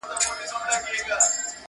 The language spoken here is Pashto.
• هسي وايي بوالعلا په ټوله ژوند -